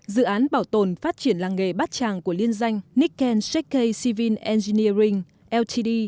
dự án bảo tồn phát triển làng nghề bát tràng của liên danh nikken shikkei civil engineering ltd